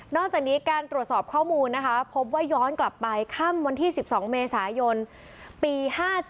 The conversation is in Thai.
จากนี้การตรวจสอบข้อมูลนะคะพบว่าย้อนกลับไปค่ำวันที่๑๒เมษายนปี๕๗